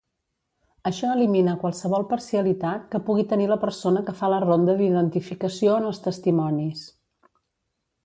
Això elimina qualsevol parcialitat que pugui tenir la persona que fa la ronda d"identificació en els testimonis.